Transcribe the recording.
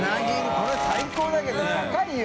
これ最高だけど高いよ